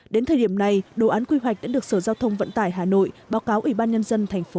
đến thời điểm này đồ án quy hoạch đã được sở giao thông vận tải hà nội báo cáo ủy ban nhân dân thành phố